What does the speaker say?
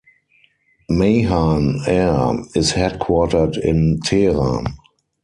Mahan Air is headquartered in Tehran.